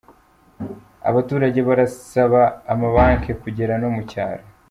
Abaturajye barasab’ amabanke kugera no mu cyaro